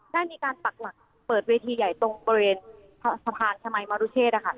ได้มีการปักหลักเปิดเวทีใหญ่ตรงบริเวณสะพานชมัยมรุเชษ